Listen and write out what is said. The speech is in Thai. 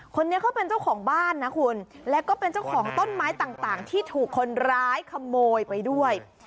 คนนี้เขาเป็นเจ้าของบ้านนะคุณแล้วก็เป็นเจ้าของต้นไม้ต่างที่ถูกคนร้ายขโมยไปด้วย